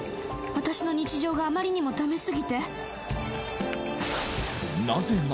私の日常があまりにもダメすぎて？